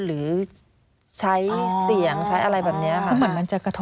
หรือใช้เสียงใช้อะไรแบบนี้